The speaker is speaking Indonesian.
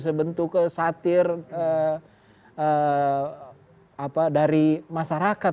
sebentuk satir dari masyarakat